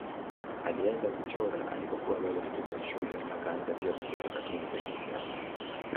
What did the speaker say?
Alianza kuchora alipokuwa bado mtoto wa shule akaanza pia kuchora katuni za kisiasa.